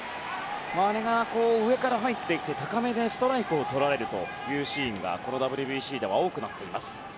あれが上から入ってきて高めでストライクをとられるというシーンがこのＷＢＣでは多くなっています。